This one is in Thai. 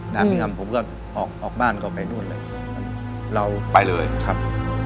น้ำไม่ทำผมก็ออกออกบ้านก็ไปนู่นเลยเราไปเลยครับ